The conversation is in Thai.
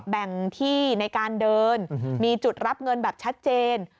แบ่งที่ในการเดินมีจุดรับเงินแบบชัดเจน